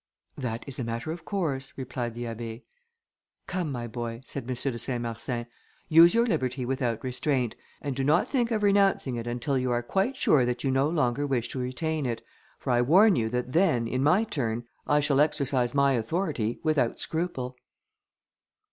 "That is a matter of course," replied the Abbé. "Come, my boy," said M. de Saint Marsin, "use your liberty without restraint, and do not think of renouncing it until you are quite sure that you no longer wish to retain it, for I warn you that then, in my turn, I shall exercise my authority without scruple."